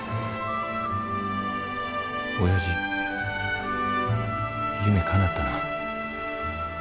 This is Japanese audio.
おやじ夢かなったな。